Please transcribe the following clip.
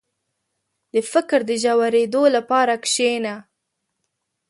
• د فکر د ژورېدو لپاره کښېنه.